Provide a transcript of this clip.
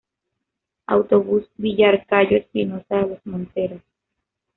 Autobús, Villarcayo-Espinosa de los Monteros.